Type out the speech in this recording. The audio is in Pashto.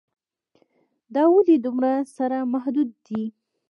دا ولې دومره سره محدود دي.